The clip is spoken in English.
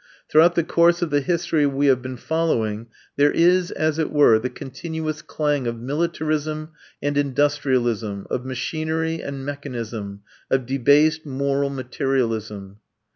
Throughout the course of the history we have been following there is, as it were, the continuous clang of militarism and industrialism, of machinery and mechanism, of debased moral materialism.